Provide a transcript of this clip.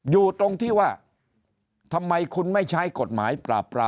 อยู่ตรงที่ว่าทำไมคุณไม่ใช้กฎหมายปราบปราม